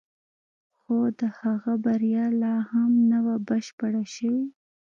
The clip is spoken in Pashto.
خو د هغه بریا لا هم نه وه بشپړه شوې